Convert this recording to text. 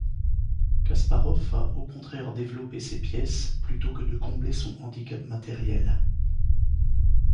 Kasparov va au contraire développer ses pièces plutôt que de combler son handicap matériel.